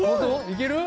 いける！